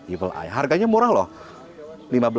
evil eye harganya murah lho